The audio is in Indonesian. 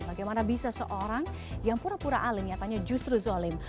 bagaimana bisa seorang yang pura pura alim nyatanya justru zolim